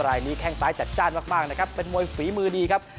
รายนี้แข้งซ้ายจัดจ้านมากนะครับเป็นมวยฝีมือดีครับ